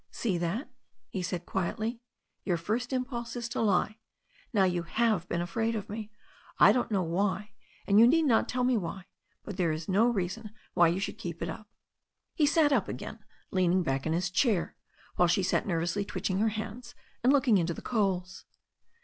"See that," he said quietly. "Your first impulse is to lie. Now, you have been afraid of me. I don't quite know why, and you need not tell me why. But there is no reason why you should keep it up." He sat up again, leaning back in his chair, while she sat nervously twitching her hands and looking into the coals.